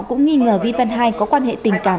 cũng nghi ngờ vi văn hai có quan hệ tình cảm